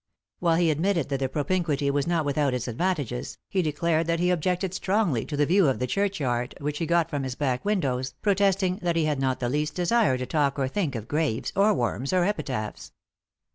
While he admitted that the propinquity was not without its advantages, he declared that he objected strongly to the view of the churchyard which he got from bis back windows, protesting that he had not the least desire to talk or think of graves, or worms or epitaphs.